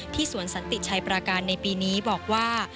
สวนสันติชัยปราการในปีนี้บอกว่า